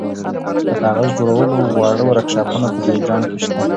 د کاغذ جوړولو واړه ورکشاپونه په جوزجان کې شته.